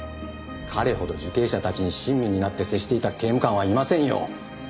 彼ほど受刑者たちに親身になって接していた刑務官はいませんよ。